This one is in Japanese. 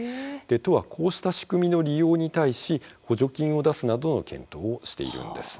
都はこうした仕組みの利用に対し補助金を出すなどの検討をしているんです。